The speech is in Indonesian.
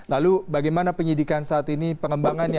lalu bagaimana penyidikan saat ini pengembangannya